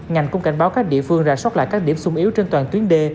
ngành cũng cảnh báo các địa phương ra sót lại các điểm sung yếu trên toàn tuyến đe